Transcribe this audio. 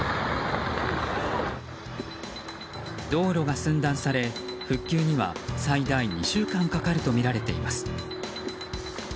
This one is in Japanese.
道路が寸断され復旧には最大２週間かかるとみられています。